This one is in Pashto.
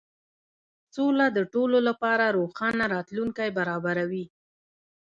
سوله د ټولو لپاره روښانه راتلونکی برابروي.